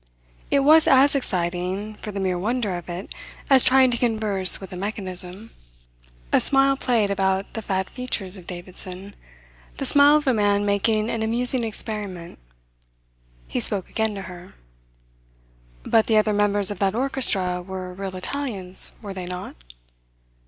It was as exciting, for the mere wonder of it, as trying to converse with a mechanism. A smile played about the fat features of Davidson; the smile of a man making an amusing experiment. He spoke again to her: "But the other members of that orchestra were real Italians, were they not?"